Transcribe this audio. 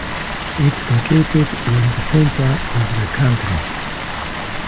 It is located in the center of the country.